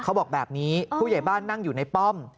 เขาบอกแบบนี้ผู้ใหญ่บ้านนั่งอยู่ในป้อม